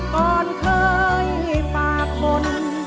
ก่อนเคยฝากคน